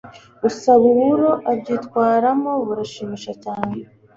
usaba uburo abyitwaramo burashimisha cyane